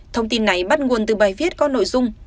thông tin này bắt nguồn từ bài viết có nội dung